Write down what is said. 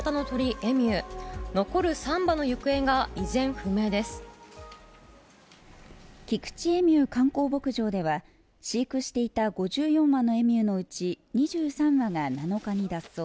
エミュー観光牧場では飼育していた５４羽のエミューのうち２３羽が７日に脱走。